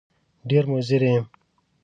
ډېر مضر یې !